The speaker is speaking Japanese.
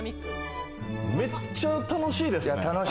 めっちゃ楽しいです。